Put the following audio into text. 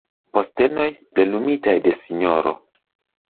Postenoj plenumitaj de Sro.